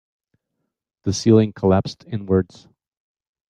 The ceiling collapsed inwards.